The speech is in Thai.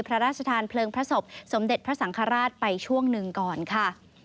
พระราชทานเพลิงพระศพสมเด็จพระสังฆราชไปช่วงหนึ่งก่อนค่ะ